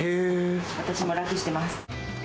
私も楽してます。